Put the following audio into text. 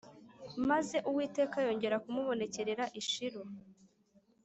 Maze Uwiteka yongera kumubonekerera i Shilo